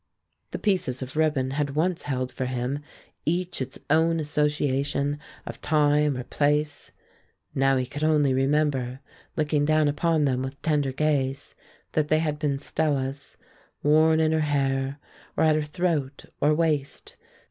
The pieces of ribbon had once held for him each its own association of time or place; now he could only remember, looking down upon them with tender gaze, that they had been Stella's, worn in her hair, or at her throat or waist.